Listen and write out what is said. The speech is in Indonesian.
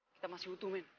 kita masih utuh men